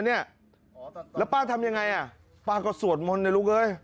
เนี่ยแล้วป้าทำยังไงอ่ะป้ากระสุนม้นเนี่ยลูกเอ๊ย